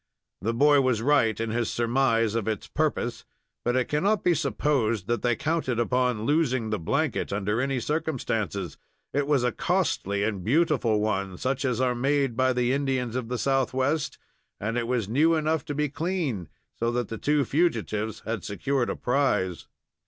The boy was right in his surmise of its purpose; but it cannot be supposed that they counted upon losing the blanket under any circumstances. It was a costly and beautiful one, such as are made by the Indians of the southwest, and it was new enough to be clean, so that the two fugitives had secured a prize.